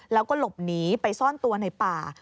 แล้วก็หลบหนีไปซ่อนตัวในป่า